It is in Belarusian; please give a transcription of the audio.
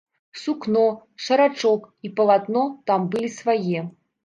Сукно, шарачок і палатно там былі свае.